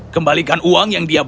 kembalikan uang yang dia